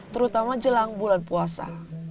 terutama jelang bulan puasa